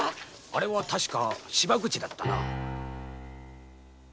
あれは確か芝口だった。